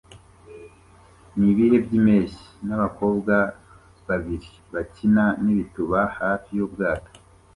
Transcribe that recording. Nibihe byimpeshyi nabakobwa babiri bakina nibituba hafi yubwato